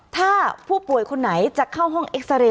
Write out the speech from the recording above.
ถ้าผู้ป่วยคนไหนจะเข้าห้องเอ็กซาเรย